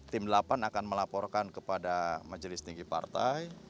tim delapan akan melaporkan kepada majelis tinggi partai